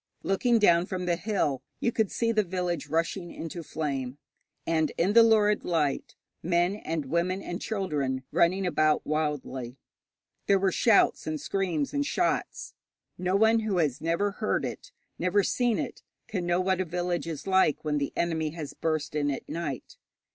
Looking down from the hill, you could see the village rushing into flame, and in the lurid light men and women and children running about wildly. There were shouts and screams and shots. No one who has never heard it, never seen it, can know what a village is like when the enemy has burst in at night.